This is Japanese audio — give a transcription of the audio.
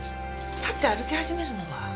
立って歩き始めるのは？